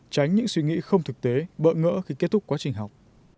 tránh những suy nghĩ không thực tế bỡ ngỡ khi kết thúc quá trình học